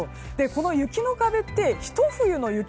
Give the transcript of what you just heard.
この雪の壁ってひと冬の雪